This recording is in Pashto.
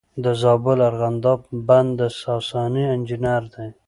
د زابل ارغنداب بند د ساساني انجینر دی